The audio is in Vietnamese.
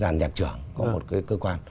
dàn nhạc trưởng có một cái cơ quan